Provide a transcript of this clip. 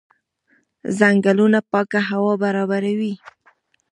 ځنګلونه پاکه هوا برابروي.